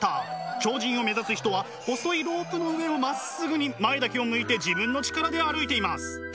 超人を目指す人は細いロープの上をまっすぐに前だけを向いて自分の力で歩いています。